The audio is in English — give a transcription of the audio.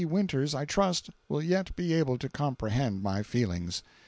Winters, I trust, will yet be able to comprehend my feelings.